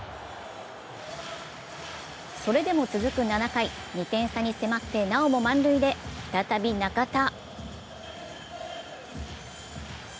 それでも続く７回、２点差に迫ってなおも満塁で再び中田。